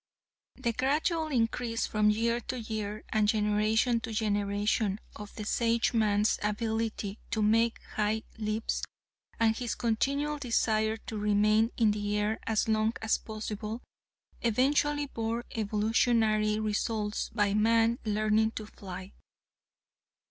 "The gradual increase from year to year, and generation to generation, of the Sageman's ability to make high leaps, and his continual desire to remain in the air as long as possible, eventually bore evolutionary results by man learning to fly.